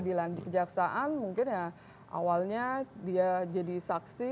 di kejaksaan mungkin ya awalnya dia jadi saksi